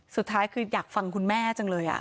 สุดท้ายคืออยากฟังคุณแม่จังเลย